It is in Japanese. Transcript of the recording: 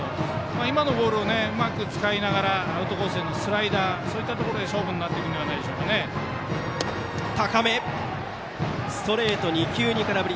今のボールを、うまく使いながらアウトコースへのスライダーそういったところで勝負になってくるのではストレート２球、空振り。